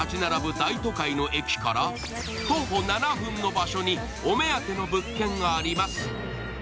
大都会の駅から徒歩７分の場所にお目当ての物件があります。